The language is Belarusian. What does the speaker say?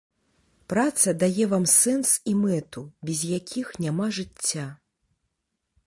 Праца дае вам сэнс і мэту, без якіх няма жыцця.